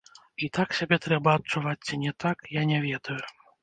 І так сябе трэба адчуваць ці не так, я не ведаю.